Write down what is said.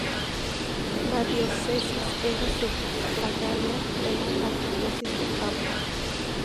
La diócesis era sufragánea de la arquidiócesis de Capua.